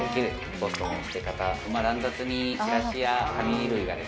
ポストの捨て方乱雑にチラシや紙類がですね